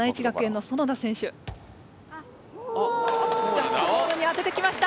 ジャックボールにあててきました！